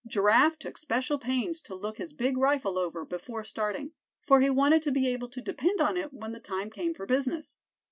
Giraffe took special pains to look his big rifle over before starting, for he wanted to be able to depend on it when the time came for business.